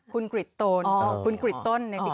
คุณกริดโต้นคุณกริดโต้นในติ๊กต๊อก